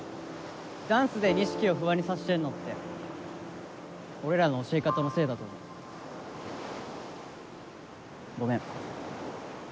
ダンスで二色を不安にさせてるのって俺らの教え方のせいだと思う。ごめん。